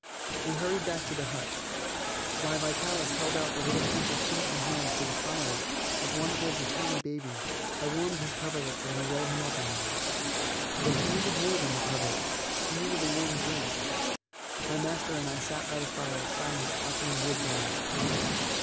We hurried back to the hut. While Vitalis held out the little creature's feet and hands to the fire, as one holds a tiny baby, I warmed his coverlets and we rolled him up in them. But he needed more than the coverlets; he needed a warm drink. My master and I sat by the fire, silent, watching the wood burn.